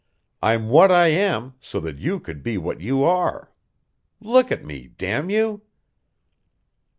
I'm what I am so that you could be what you are. Look at me, damn you!"